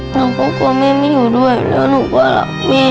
หนูก็กลัวแม่ไม่อยู่ด้วยแล้วหนูก็หลับแม่